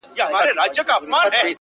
• د چا درمان وسو ارمان پوره سو ,